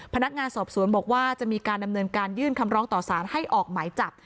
พนักงานสอบสวนบอกว่าจะมีการดำเนินการยื่นคำร้องต่อสารให้ออกหมายจับ